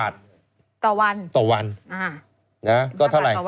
คุณนิวจดไว้หมื่นบาทต่อเดือนมีค่าเสี่ยงให้ด้วย